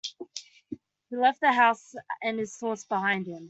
He left the house and his thoughts behind him.